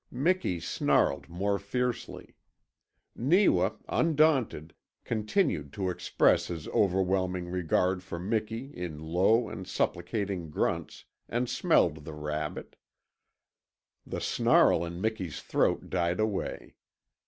Miki snarled more fiercely. Neewa, undaunted, continued to express his overwhelming regard for Miki in low and supplicating grunts and smelled the rabbit. The snarl in Miki's throat died away.